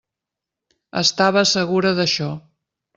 Estava segura d'això.